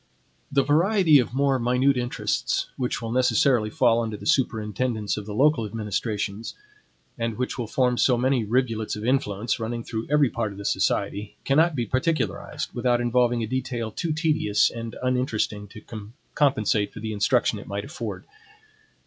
The variety of more minute interests, which will necessarily fall under the superintendence of the local administrations, and which will form so many rivulets of influence, running through every part of the society, cannot be particularized, without involving a detail too tedious and uninteresting to compensate for the instruction it might afford.